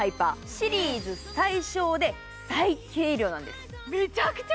シリーズ最小で最軽量なんです。